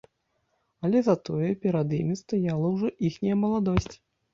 Але затое перад імі стаяла ўжо іхняя маладосць.